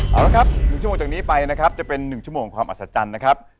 เอาละครับ๑ชั่วโมงจากนี้ไปนะครับจะเป็น๑ชั่วโมงของความอัศจรรย์นะครับ